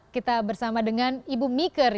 kita bersama dengan ibu meaker